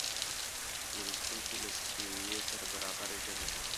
د لوستونکې له سویې سره برابره ژبه وي